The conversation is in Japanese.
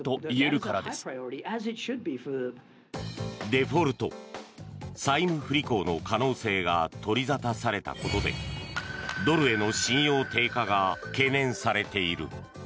デフォルト、債務不履行の可能性が取り沙汰されたことでドルへの信用低下が懸念されている。